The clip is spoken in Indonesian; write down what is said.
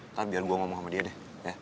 ntar biar gue ngomong sama dia deh